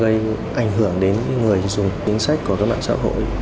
gây ảnh hưởng đến người dùng chính sách của các mạng xã hội